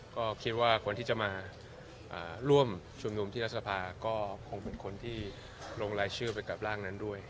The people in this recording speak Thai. ก็คิดว่าคนที่จะมาร่วมชุมนุมที่รัฐสภาก็คงเป็นคนที่ลงรายชื่อไปกับร่างนั้นด้วย